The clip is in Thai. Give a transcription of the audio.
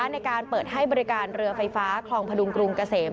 ในการเปิดให้บริการเรือไฟฟ้าคลองพดุงกรุงเกษม